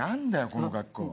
この格好。